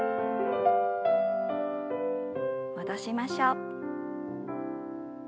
戻しましょう。